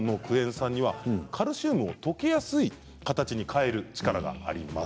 酸にはカルシウムを溶けやすい形に変える力があります。